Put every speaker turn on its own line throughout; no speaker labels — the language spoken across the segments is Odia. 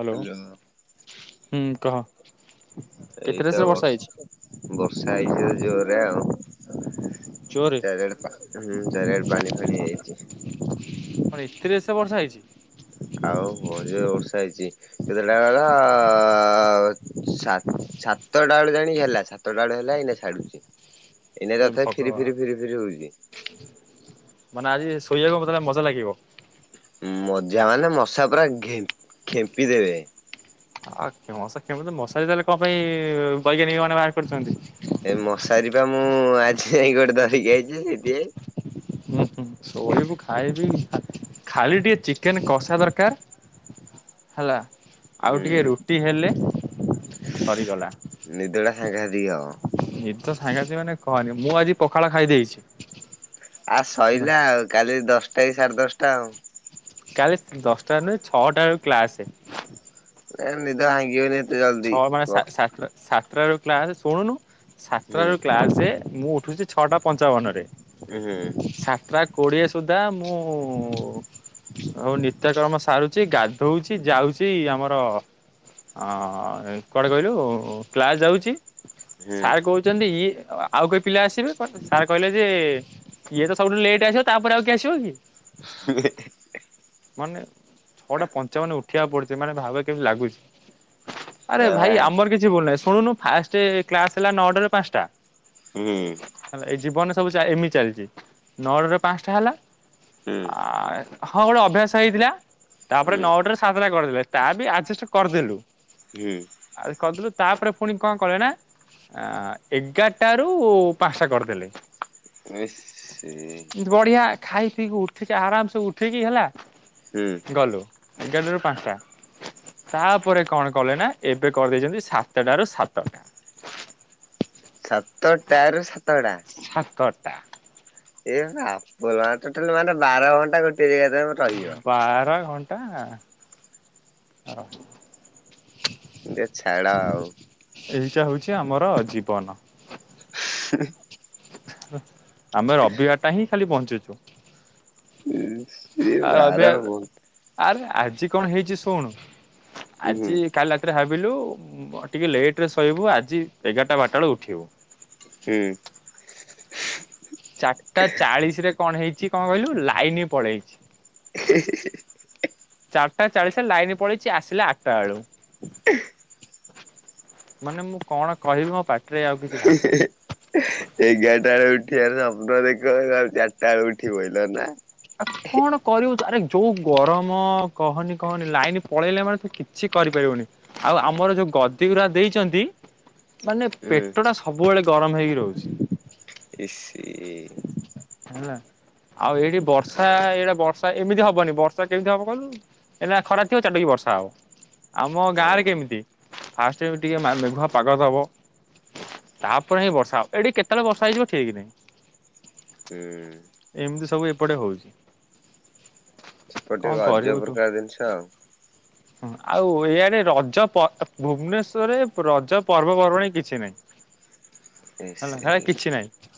ହାଲୋ ହୁଁ କହ କେତେ
ଏଇତ
ରେସରେ ବର୍ଷା
ବର୍ଷ
ହେଇଚି?
ବର୍ଷା ହେଇଚି ଆଜି ଜୋରେ ଆଉ।
ଜୋରେ
ଚାରି ଆଡେ ପା ହୁଁ ପାଣି ଫାଣି ହେଇଯାଇଚି।
କଣ ଏତେ ରେସରେ ବର୍ଷା ହେଇଚି?
ଆଉ ବଢିଆ ବର୍ଷା ହେଇଚି କେତେଟା କଇଲ ସାତ୍ ସାତଟା ବେଳେ ଜାଣିକି ହେଲା ସାତଟା ବେଳେ ହେଲା ଏଇନା ଛାଡୁଚି। ଏଇନାକେ
ଏ
ତଥାପି ଫିରି
ଭଗବାନ।
ଫିରି ଫିରି ଫିରି ହଉଚି।
ମାନେ ଆଜି ଶୋଇବାକୁ ମତେ [unintelligible] ମଜା ଲାଗିବ।
ମଜା ମାନେ ମଶା ପୁରା ଘେମ୍ପ୍ ଖେମ୍ପି ଦେବେ।
ଆଉ କେ ମଶା କେମିତି ମଶାରି ତାହେଲେ କଁ ପାଇଁ ବୈଜ୍ଞାନିକମାନେ ବାହାର କରିଛନ୍ତି?
ଏ ମଶାରୀ ପା ମୁଁ ଆଝି ଯାଇ ଗୋଟେ ଧରିକି ଆଇଚି ସେଥିପାଇଁ।
ହୁଁ ହୁଁ। ଶୋଇବୁ ଖାଇବି ଖାଲି ଟିକେ ଚିକେନ କଷା ଦରକାର। ହେଲା ଆଉ
ହୁଁ
ଟିକେ ରୁଟି ହେଲେ ସରିଗଲା।
ନିଦଟା ସାଙ୍ଘାତିକ ହବ।
ନିଦ ସାଙ୍ଘାତିକ ମାନେ କଅନି ମୁଁ ଆଜି ପଖାଳ ଖାଇ ଦେଇଛି।
ଆ
ହେଲା।
ସଇଲା ଆଉ କାଲି ଦଶଟା କି ସାଡ ଦଶଟା ଆଉ।
କାଲି ଉଁ ଦଶଟା ନୁଏଁ ଛଅଟା ବେଳୁ କ୍ଲାସେ।
ଏ ନିଦ ଭାଙ୍ଗିବନି ଏତ୍
ଛଅ ମା ସା ସତୁଟା ସାତୁଟା ବେଳୁରୁ କ୍ଲାସେ ଶୁଣୁନୁ ସାତୁଟା
ହୁଁ।
ବେଳୁ କ୍ଲାସେ ମୁଁ ଉଠୁଚି ଛଅଟା ପଞ୍ଚାବନରେ।
ଉଁ ହୁଁ।
ସାତଟା କୋଡିଏ ସୁଦ୍ଦା ମୁଁ ହଉ ନିତ୍ୟ କର୍ମ ସାରୁଛି ଗାଧୋଉଛି ଯାଉଛି ଆମର ଅ କୁଆଡେ କହିଲୁ କ୍ଲାସ୍ ଯାଉଛି ସାର୍ କହୁ ଛନ୍ତି ଇଏ ଆଉ କେ ପିଲା ଆସିବେ ସାର୍ କହିଲେ ଯେ ଇଏ ତ ସବୁଠୁ ଲେଟ ଆସିବ ତାପରେ ଆଉ କିଏ ଆସିବ କି? ମାନେ ଛଅଟା ପଞ୍ଚାବନ ଉଠିବାକୁ ପଡ଼ୁଛି ମାନେ ଭାବେ କେମିତି ଲାଗୁଛି? ଆରେ ଭାଇ ଆମର କିଛି ଭୁଲ ନାହିଁ ଶୁଣୁନୁ ଫାଷ୍ଟ କ୍ଲାସ ହେଲା ନଅଟା ରୁ ପାଞ୍ଚଟା।
ହୁଁ।
ହେଲା ଏଇ ଜୀବନ ସବୁ ଏମିତି ଚାଲିଛି ନଅଟାରୁ ପାଞ୍ଚଟା ହେଲା ଆ ହଁ ଗୋଟେ ଅଭ୍ୟାସ ହେଇଥିଲା
ଇସି
ତାପରେ ନଅଟାରୁ ସାତଟା କରିଦେଲେ ତା ବି ଆଜେଷ୍ଟ କରିଦେଲୁ।
ହୁଁ।
ଆଉ କରିଦେଲୁ ତାପରେ ପୁଣି କଣ କଲେ ନା। ଆ ଏଗାରଟାରୁ ପାଞ୍ଚଟା କରିଦେଲେ।
ଇସ ସି
ବଢିଆ ଖାଇ ପିଇକି ଉଠିକି ଆରାମସେ ଉଠିକି ହେଲା।
ହୁଁ।
ଗଲୁ ଏଗାର ଟାରୁ ପାଞ୍ଚଟା ତାପରେ କଣ କଲେ ନା। ଏବେ କରିଦେଇଛନ୍ତି ସାତଟାରୁ ସାତଟା।
ସାତଟାରୁ ସାତଟା।
ସାତଟା।
ଏମାନେ ଆପୋଲୋ ମାନେ ବାର ଘଣ୍ଟା ଗୋଟିଏ ଯାଗାରେ ତମେ ରହିବ।
ବାର ଘଣ୍ଟା
ଯେ ଛାଡ ଆଉ।
ଏଇଟା ହଉଛି ଆମର ଜୀବନ।
[inaudible]
ଆମେ ରବିବାରଟା ହିଁ ଖାଲି ବଞ୍ଚୁଛୁ।
ହୁଁ।
ଏବେ ଆରେ ଆଜି କଣ ହେଇଛି ଶୁଣୁ
ହୁଁ
ଆଜି କାଲି ରା ରାତିରେ ଭାବିଲୁ ଟିକେ ଲେଟରେ ଶୋଇବୁ ଆଜି ଏଗାରଟା ବାରଟା ବେଳେ ଉଠିବୁ।
ହୁଁ।
ଚାରଟା ଚାଳିଶରେ କଣ ହେଇଛି କଣ କହିଲୁ ଲାଇନ ପଳେଇଛି।
[inaudible]
ଚାରଟା ଚାଳିଶରେ ଲାଇନ ପଳେଇଛି ଆସିଲା ଆଠଟା ବେଳୁ। ମାନେ ମୁଁ କଣ କହିବି ମୋ ପାଟ
[inaudible] ଏଗାରଟା ବେଳେ ଉଠିବାର ସ୍ୱପ୍ନ ଦେଖ ଚାରଟା ବେଳୁ ଉଠିପଇଲ ନା।
ଆଉ କଣ? କରିବୁ ଆରେ ଯୋଉ ଗରମ କହନି କହନି ଲାଇନ ପଳେଇଲେ ମାନେ ତ କିଛି କରିପାରିବୁନି। ଆଉ ଆମର ଯୋଉ ଗଦିଗୁରା ଦେଇଛନ୍ତି। ମାନେ
ହୁଁ
ପେଟଟା ସବୁବେଳେ ଗରମ ହେଇକି ରହୁଛି।
ଇସ ସି
ହେଲା ଆଉ ଏଇଠି ବର୍ଷା ଏଇଟା ବର୍ଷା ଏମିତି ହବନି ବର୍ଷା କେମିତି ହବ କହିଲୁ? ଏଇନା ଖରା ଥିବ ଚାଟାକି ବର୍ଷା ହବ ଆମ
ଓହୋ।
ଗାଁରେ କେମିତି? ଫାଷ୍ଟରେ ଟିକେ ମେଘୁଆ ପାଗ ଦବ। ତାପରେ ହିଁ ବର୍ଷା ଏଠି କେତେବେଳେ ବର୍ଷା ହେଇଯିବ ଠିକ ନାହିଁ।
ହୁଁ।
ଏମିତି ସବୁ ଏପଟେ ହଉଛି।
ସେପଟେ ଟିକେ ଅଜବ ପ୍ରକାର ଜିନିଷ ଆଉ
[inaudible] ହଁ ଆଉ ଓୟେରେ ରଜ ପ ଭୁବନେଶ୍ୱରରେ ରଜ ପର୍ବପର୍ବାଣୀ କିଛି ନାହିଁ। [inaudible]
ହେ ସିରି।
ନାଇଁ।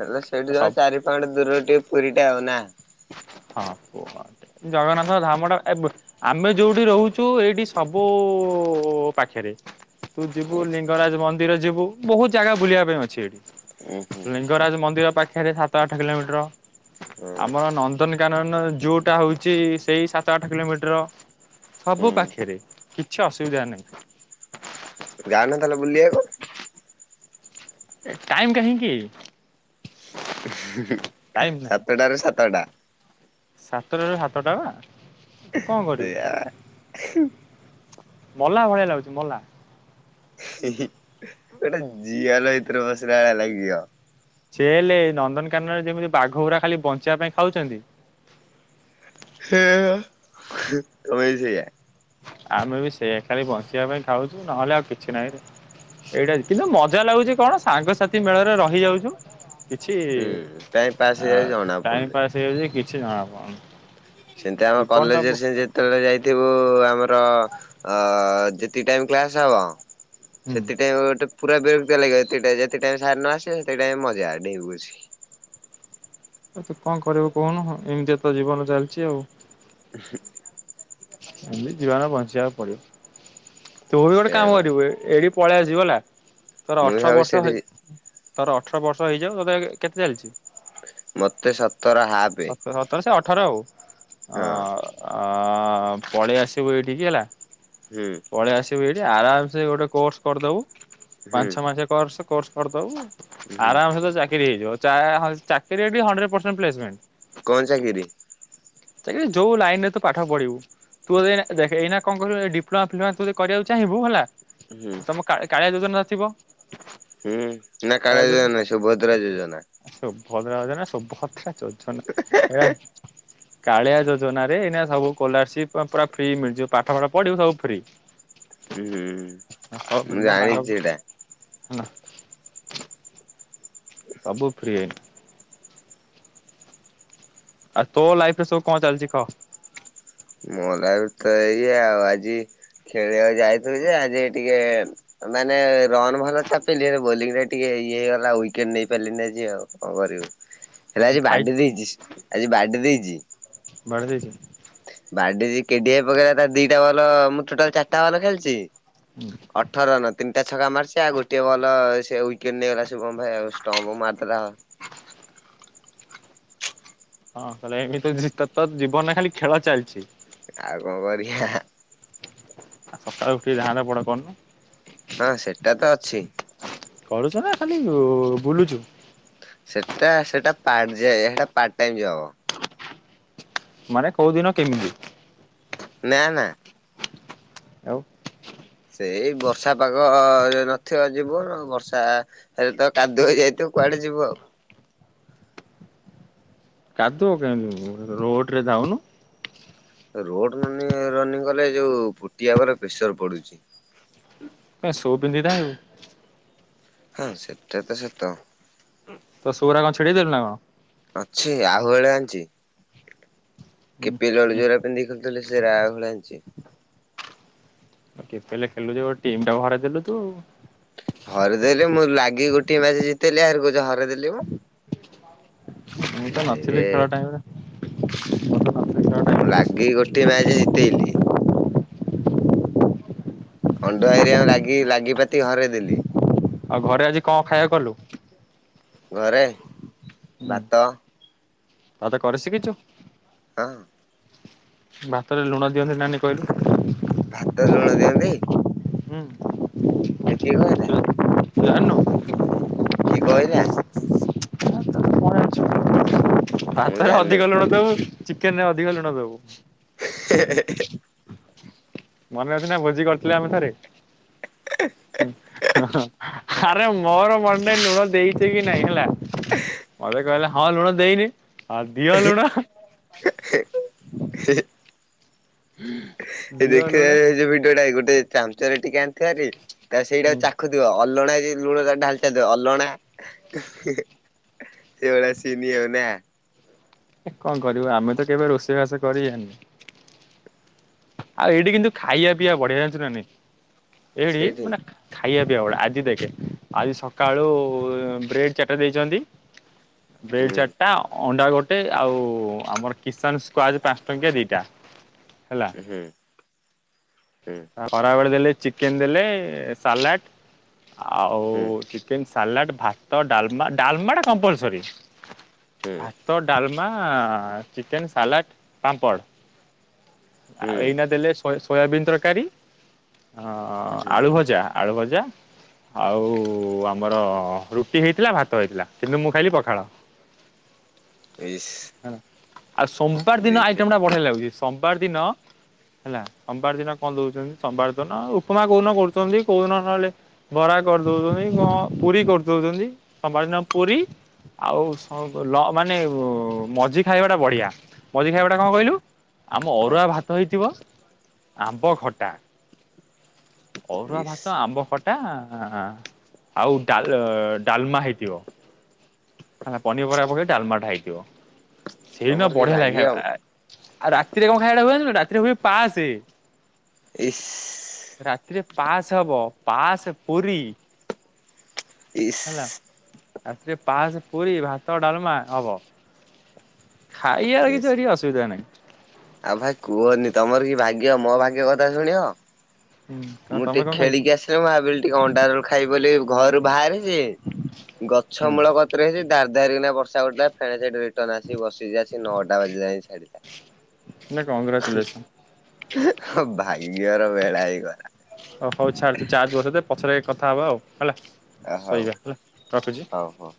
ହେଲେ ସେଇଠି ଜମା
ସବୁ
ଚାରି ପାଟ ଦୂରରେ ଟିକେ ପୁରୀଟା ଆଉ ନା।
ହଁ ପୁ ଜଗନ୍ନାଥ ଧାମ ଟା ଏ ଆମେ ଯୋଉଠି ରହୁଚୁ ଏଇଠି ସବୁ ପାଖରେ। ତୁ ଯିବୁ ଲିଙ୍ଗରାଜ ମନ୍ଦିର ଯିବୁ, ବହୁତ ଜାଗା ବୁଲିବା ପାଇଁ ଅଛି ଏଠି।
ଉୁଁ ହୁଁ
ଲିଙ୍ଗରାଜ ମନ୍ଦିର ପାଖରେ ସାତ ଆଠ କିଲୋମିଟର।
ହଁ
ଆମର ନନ୍ଦନକାନନ ଯୁ ଟା ହଉଚି ସେଇ ସାତ ଆଠ କିଲୋମିଟର। ସବୁ
ହୁଁ
ପାଖରେ କିଛି ଅସୁବିଧା ନାହିଁ।
ଯାଉନ ତାହେଲେ ବୁଲିବାକୁ।
ଏ ଟାଇମ କାହିଁକି? ଟାଇମ ନାହିଁ।
ସାତଟା ରୁ ସାତଟା।
ସାତଟାରୁ ସାତ ଟା ବା ତୁ କଣ କରିବୁ।
ସେଇଆ [inaudible]
ମଲା ଭଳିଆ ଲାଗୁଛି ମଲା।
ଗୋଟେ ଜିଆଲ ଭିତରେ ବସିଲା ଭଳିଆ ଲାଗିବ।
ଜେଲେ ନନ୍ଦନକାନନରେ ଯେମିତି ବାଘଗୁରା ଖାଲି ବଞ୍ଚିବା ପାଇଁ ଖାଉଚନ୍ତି
ହୁଁ ତମେ ବି ସେଇୟା।
ଆମେ ବି ସେୟା ଖାଲି ବଞ୍ଚିବା ପାଇଁ ଖାଉଚୁ ନହେଲେ ଆଉ କିଛି ନାହିଁରେ। ଏଇଟା କିନ୍ତୁ ମଜା ଲାଗୁଚି କଣ ସାଙ୍ଗସାଥି ମେଳରେ ରହିଯାଉଚୁ। କିଛି
ହୁଁ ଟାଇମ୍ ପାସ୍
ଆଁ
ହେଇଯାଉଛି ଜଣା
ଟାଇମ
ପଡୁନି।
ପାସ୍ ହେଇଯାଉଚି କିଛି ଜଣାପଡୁନି।
ସେମିତି ଆମ କଲେଜରେ ସେ ଯେତେବେଳେ ଯାଇଥିବୁ ଆମର ଅ ଯେ ତିକ ଟାଇମ୍ କ୍ଲାସ୍ ହବ
ହୁଁ
ସେତିକି ଟାଇମ୍ ଗୋଟେ ପୁରା ବିରକ୍ତିଆ ଲାଗିବ ଏତିକି ଟାଇମ ଏତିକି ଟାଇମ ରେ ସାର ନ ଆସିବେ ସେତିକ ଟାଇମ ମଜା ଡେଇଁବୁ ବସିକି।
ଏ ତୁ କଣ କରିବୁ କହୁନୁ ଏମିତିଆ ତ ଜୀବନ ଚାଲିଚି ଆଉ।
[inaudible]
ଏମତି ଜୀବନ ବଞ୍ଚିବାକୁ ପଡିବ ତୁ ବି ଗୋଟେ
ସେଇଆ
କାମ
ବା
କରିବୁ ଏ ଏଠି ପଳେଇ ଆସିବୁ ହେଲା ତୋର
ମୁଁ
ଅଠର
ଭାବୁଛି
ବର୍ଷ
ସେଠି
ହେଇ ତୋର ଅଠର ବର୍ଷ ହେଇଯାଉ ତତେ କେତେ ଚାଲିଚି?
ମୋତେ ସତର ହାପେ
ସତର ସତର ସେ ଅଠର ଆଉ
ହଁ।
ଅଁ ଆଁ ପଳେଇ ଆସିବୁ ଏଇଠିକି ହେଲା
ହୁଁ।
ପଳେଇ ଆସିବୁ ଏଇଠିକି। ଆରାମସେ ଗୋଟେ କୋର୍ସ କରିଦବୁ
ହୁଁ
ପାଞ୍ଚ ଛଅ ମାସେ କର୍ସ କୋର୍ସ କରିଦବୁ।
ହୁଁ
ଆରାମସେ ତ ଚାକିରି ହେଇଯିବ ଚା ହଁ ଚାକିରି ଏଠି ହଣ୍ଡ୍ରେଡ ପରସେଣ୍ଟ ପ୍ଲେସମେଣ୍ଟ।
କଣ ଚାକିରି?
ଚାକିରୀ ଯଉ ଲାଇନ ରେ ତୁ ପାଠ ପଢିବୁ। ତୁ ଏବେ ଦେଖ ଏଇନା କଣ କହିଲୁ ଡିପ୍ଲୋମା ଫିପ୍ଲମା ତୁ ଯଦି କରିବାକୁ ଚାହିଁବୁ ହେଲା
ହୁଁ
ତମ କାଳ କାଳିଆ ଯୋଜନା ଥିବ।
ହୁଁ ନା କାଳିଆ ଯୋଜନା ନାଇ ସୁଭଦ୍ରା ଯୋଜନା।
ଶୁଭାଦ୍ରା ଯୋଜନା ଶୁଭାଧ୍ରା ଯୋଜନା ଏରା କାଳିଆ ଯୋଜନା ରେ ଏଇନା ସବୁ ସ୍କଲାରସିପ ପୁରା ଫ୍ରି ମିଳିଯିବ ପାଠଫାଠ ପଢିବୁ ସବୁ ଫ୍ରି।
ହୁଁ
ସବୁ ଫ୍ରି
ମୁଁ
ମୋ ସାଙ୍ଗ
ଜାଣିଚି ସେଇଟା।
ହେଲା। ସବୁ ଫ୍ରି ଏ। ଆଉ ତୋ ଲାଇଫ ରେ ସବୁ କଣ ଚାଲିଚି କହ।
ମ ଲାଇଫ ତ ଏଇଆ ଆଉ ଆଜି ଖେଳିବାକୁ ଯାଇଥିଲି ଯେ ଆଜି ଟିକେ ମାନେ ରନ୍ ଭଲ ଚାପିଲି ବୋଲିଂ ରେ ଟିକେ ଇଏ ହେଇଗଲା ୱିକେଟ ନେଇ ପାରିଲିନି ଆଜି ଆଉ କଣ କରିବୁ ହେଲେ ଆଜି
ଖାଇ
ବାଡି ଦେଇଚି। ଆଜି ବାଡ଼ିଇ ଦେଇଚି।
ବାଡେ ଦେଇଚି।
ବାଡି ଯ କେଡି ହାଇ ପକେଇବା ତା ଦିଟା ବଲ ମୁଁ ଟୋଟାଲ ଚାରିଟା ବଲ ଖେଳଛି
[inaudible]
ଅଠର ରନ ତିନିଟା ଛକା ମାରିଛି ଆଉ ଗୋଟଏ ବଲ ସେ ୱିକେଟ୍ ନେଇଗଲା ଶୁଭମ ଭାଇ ଆଉ ଷ୍ଟମ୍ପ ମାରିଦେଲା ଆଉ।
ହଁ ତାହେଲେ ଏମିତି ତ ତ ଜୀବନରେ ଖାଲି ଖେଳ ଚାଲିଛି।
ଆଉ କଣ କରିବ ଆ।
ଆ ସକାଳୁ ଉଠି ଧାଁ ଧପଡ କରନୁ।
ହଁ ସେଟା ତ ଅଛି।
କରୁଛ ନା ଖାଲି ଅ ଅ ବୁଲୁଛୁ।
ସେଟା ସେଟା ପାଯେ ସେଟା ପାର୍ଟ ଟାଇମ ଜବ।
ମାନେ କୋଉଦିନ କେମିତି?
ନା ନା।
ଆଉ
ସେଇ ବର୍ଷାପାଗ ଇଏ ନଥିବ ଯିବୁନା ବର୍ଷା ଏରା କାଦୁଅ ହେଇଯାଇଥିବ କୁଆଡେ ଯିବୁ ଆଉ
କାଦୁଅ କେମିତି ରୋଡ଼ରେ ଯାଉନୁ।
ରୋଡ ରନି ରନିଂ କଲେ ଯୋଉ ପୁଟିଆ ଉପରେ ପ୍ରେସର ପଡୁଛି।
ସୁ ପିନ୍ଧିକି ଧାଇଁବୁ।
ହଁ ସେଟାତ ସତ।
ତୋ ସୁ ରା କଣ ଛିଡେଇ ଦେଲୁନା କଣ?
ଅଛି ଆଉ ହଳେ ଆଣିଛି
ଉଁ
ଖେପିଲାଳୁ ଜୋଉରା ପିନ୍ଧିକି ଖେଳୁ ଥିଲି ସେଇରା ଆଉହଳେ ଆଣିଚି।
ଆଉ କିଖେଲେ ଖେଲୁଯେ ଗୋଟେ ଟିମଟାକୁ ହରାଇ ଦେଲୁ ତୁ।
ହରେଇଦେଲି ମୁଁ ଲାଗି ଗୋଟିଏ ମ୍ୟାଚ ଜିତେଇଲି ଆହୁରି କହୁଚ ହରେଇଦେଲି। ମ
ମୁଁତ ନଥିଲି ଖେଳ
ଭାଇରେ
ଟାଇମରେ ମୁଁତ ନଥିଲି ଖେଳ
ମୁଁ
ଟାଇମ୍ ରେ।
ଲାଗିକି ଗୋଟିଏ ମ୍ୟାଚ ଜିତେଇଲି। ଅଣ୍ଡୁଆ ହେରିଆ ଙ୍କୁ ଲାଗି ଲାଗିପାତି ହରେ ଦେଲି।
ଆଉ ଘରେ ଆଜି କଣ ଖାଇବାକୁ କଲୁ?
ଘରେ
ହୁଁ
ଭାତ
ତତେ କରି ଶିଖିଛୁ
ହଁ
ଭାତରେ ଲୁଣ ଦିଅନ୍ତି ନାନୀ କହିଲୁ?
ଭାତ ରେ ଲୁଣ ଦିଅନ୍ତି।
ହୁଁ
ଏ କିଏ କହିଲା।
ତୁ ଜାଣିନୁ?
କିଏ କହିଲା? ମୁଁ
ଭାତରେ
ଜାଣିନି
ଅଧିକ ଲୁଣ ଦବୁ ଚିକେନରେ ଅଧିକ ଲୁଣ ଦବୁ।
ହେ ହେ ହେ,
ମନେ ଅଛିନା ଭୋଜି କରିଥିଲେ ଆମେ ଥରେ ହଁ ହଁ। ଆରେ ମୋର ମନ ନାଇ ଲୁଣ ଦେଇଛିକି ନାଇଁ ହେଲା ମତେକହିଲା ହଁ ଲୁଣଦେଇନି ହଁ ଦିଅ ଲୁଣ।
[unintelligible] ହେ ହେ ଏ
ଦିଅ ଲୁଣ
ଦେଖେଇବାପାଇଁ ଭିଡିଓଟା ଗୋଟେ ଚାମଚରେ ଟିକେ ଆଣିଥିବାହାରି ତା ସେଇଟା
ହୁଁ
ଚାଖୁ ଅଲଣାକି ଲୁଣଟା ଢ଼ାଳି ଚାଲିଥିବ ଅଲଣା ସେ ଭଳିଆ ସିନି ହେଉ ନା
କଣ କରିବୁ ଆମେ ତ କେବେ ରୋଷେଇବାସ କରି ଜାନୁ। ଆଉ ଏଇଠି କିନ୍ତୁ ଖାଇବା ପିଇବା ବଢିଆ ଜାଣିଛୁନା ନାଇଁ ଏଇଠି
ସେଇଠି
ମାନେ ଖାଇବା ପିଇବା ଗୁଡା ଆଜି ଦେଖେ ଆଜି ସକାଳୁ ବ୍ରେଡ ଚାଟା ଦେଇଛନ୍ତି। ବ୍ରେଡ
ହୁଁ
ଚାରିଟା ଅଣ୍ଡା ଗୋ ଆଉ ଆମର କିଶାନ ସ୍କ୍ଵଜ ପାଞ୍ଚ ଟଙ୍କିଆ ଦିଟା ହେଲା।
ହୁଁ ହୁଁ
ଖରାବେଳେ ଦେଲେ ଚିକେନ ଦେଲେ ସାଲାଟ ଆଉ
ହୁଁ
ଚିକେନ ସାଲାଟ ଭାତ ଡାଲମା ଡାଲମାଟା କମ୍ପଲସରି
ହୁଁ
ଭାତ, ଡାଲମା, ଚିକେନ, ସାଲାଟ, ପାମ୍ପଡ
ହୁଁ
ଆଉ ଏଇନା ଦେଲେ ସୋୟା ସୋୟାବିିନ ତରକାରୀ ଅ
ହୁଁ
ଆଳୁ ଭଜା ଆଳୁ ଭଜା ଆଉ ଆମର ରୁଟି ହେଇଥିଲା ଭାତ ହେଇଥିଲା କିନ୍ତୁ ମୁଁ ଖାଇଲି ପଖାଳ [inaudible]
ଇସି
ହେଲା ଆଉ ସୋମବାର ଦିନ ଆଇଟମଟଟା ବଢିଆ ଲାଗୁଛି ସୋମବାର ଦିନ ହେଲା ସୋମବାର ଦିନ ବନ୍ଦ ଦଉଛନ୍ତି ସୋମବାର ଦ ଉପମା କୋଉଦିନ କରୁଛନ୍ତି କୋଉଦିନ ନହେଲେ ବରା କରିଦଉଛନ୍ତି କଣ ପୁରୀ କରିଦଉଛନ୍ତି ଆ ବାରିନ ପୁରୀ। ଆଉ ମାନେ ମଝି ଖାଇବା ଟା ବଢିଆ। ମଝି ଖାଇବାଟା କଣ କହିଲୁ ଆମ
କଣ
ଅରୁଆ ଭାତ ହେଇଥିବ। ଆମ୍ବ ଖଟା ଅରୁଆ
ଇସ୍
ଭାତ ଆମ୍ବ ଖଟା। ଟା ଆଉ ଡାଲମା ହେଇଥିବ। ହେ ପନିରପରିବା ପକେଇ ଡାଲମାଟା ହେଇଥିବ ସେଇଦିନ
ତମର କି
ବଢିଆ
ଭାଗ୍ୟ
ଲାଗେ ଖାଇ ଆଉ ରାତିରେ କଣ ଖାଇବାଟା ହୁଏନି ରାତିରେ ହୁଏ ପାସ
ଏଇ
ରାତିରେ ପାସ୍ ହବ ପାସ୍ ପୁରୀ।
ଇସ୍
ହେଲା ରାତିରେ ପାସ ପୁରୀ ଭାତ ଡାଲମା ହବ। ଖାଇବାର
ଇସ୍
କିଛି ଏଠିକ ଅସୁବିଧା ନାହିଁ।
ଆଉ ଭାଇ କୁହନି ତମର କି ଭାଗ୍ୟ ମୋ ଭାଗ୍ୟ କଥା ଶୁଣିବ।
ହୁଁ
ମୁଁ
ତମେ
ଟିକେ
କଣ ଖାଇଛ?
ଖେଳିକି ଆସିଲି ମୁଁ ଭାବିଲି ଟିକେ ଅଣ୍ଡା ତଳ ଖାଇବ ବୋଲି ଘରୁ ବାହାରେ ସ ଗଛ ମୂଳ
ହୁଁ
କତିରେଇଛି ଡାି ଧରିକିନା ବର୍ଷା ପୁଥିଲା ଫୋଇଡ। କଟନ ଆସି ବସିକି ଆସି ନଅଟା ବଜେ ଯାଇ ଛାଡିିଲା।
ନଁ କଂଗ୍ରାଚୁଲେସନ୍।
ହ ଭାଗ୍ୟର ଭେଳା ହି ହେଇଗଲା।
ଓ ହଉ ଛାଡଛ ଚାର୍ଜ ବ ଦେ ପଛରେ କଥା ହବା ଆଉ ହେଲା
ହଉ
ଶୋଇବା ହେଲା ରଖୁଛି।
ହଉ ହଉ।